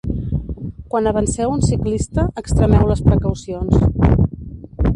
Quan avanceu un ciclista, extremeu les precaucions.